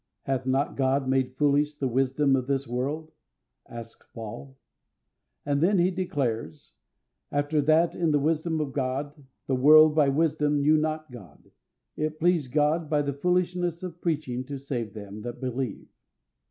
Hath not God made foolish the wisdom of this world?" asks Paul. And then he declares: "After that in the wisdom of God the world by wisdom knew not God, it pleased God by the foolishness of preaching to save them that believe."